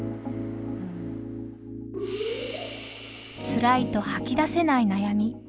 つらいと吐き出せない悩み。